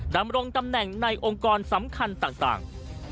ดำรงตำแหน่งในองค์กรสำคัญต่าง